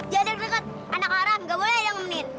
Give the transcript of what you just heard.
jangan deket deket anak haram gak boleh dengerin